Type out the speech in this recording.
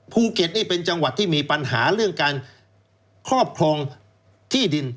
ภูเก็ตนี่เป็นจังหวัดที่มีปัญหาเรื่องการครอบครองที่ดิน